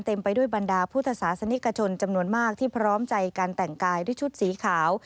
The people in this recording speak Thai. ไปด้วยบรรดาพุทธศาสนิกชนจำนวนมากที่พร้อมใจการแต่งกายด้วยชุดสีขาว